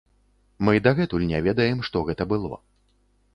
Мы дагэтуль не ведаем, што гэта было.